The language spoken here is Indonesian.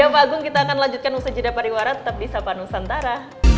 ya pak agung kita akan lanjutkan usaha jeda pariwara tetap di sapa nusantara